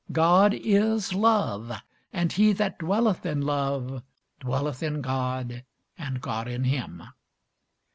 God is love; and he that dwelleth in love dwelleth in God, and God in him.